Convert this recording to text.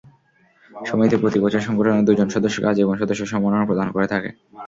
সমিতি প্রতি বছর সংগঠনের দুজন সদস্যকে আজীবন সদস্য সম্মাননা প্রদান করে থাকে।